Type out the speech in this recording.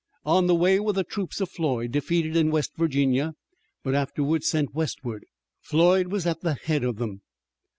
On the way were the troops of Floyd, defeated in West Virginia, but afterwards sent westward. Floyd was at the head of them.